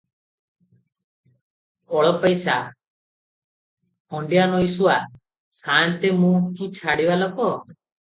ଅଳପାଇସିଆ; ଖଣ୍ତିଆ ନଈଶୁଆ! ସାଆନ୍ତେ ମୁଁ କି ଛାଡ଼ିବା ଲୋକ?